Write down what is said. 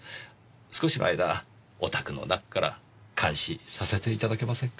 少しの間お宅の中から監視させていただけませんか？